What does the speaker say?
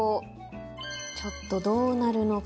ちょっとどうなるのか。